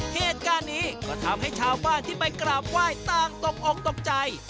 เหตุการณ์นี้ก็ทำให้ชาวบ้านที่ไปกราบไหว้ต่างตกอกตกใจ